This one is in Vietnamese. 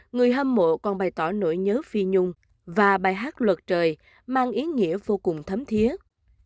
người hâm mộ còn bày tỏ nỗi nhớ phi nhung và bài hát luật trời mang ý nghĩa vô cùng thấm thiết